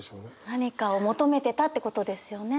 何かを求めてたってことですよね。